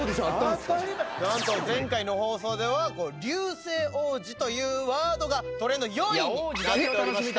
何と前回の放送では「流星王子」というワードがトレンド４位になっておりました。